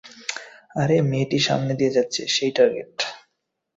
আরে, মেয়েটি সামনে দিয়ে যাচ্ছে, সেই টার্গেট।